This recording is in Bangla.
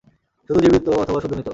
শুধু জীবিত অথবা শুধু মৃত।